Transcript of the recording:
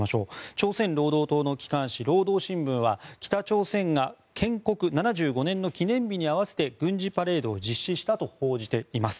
朝鮮労働党の機関紙労働新聞は北朝鮮が建国７５年の記念日に合わせて軍事パレードを実施したと報じています。